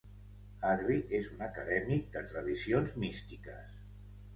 Harvey és un acadèmic de tradicions místiques.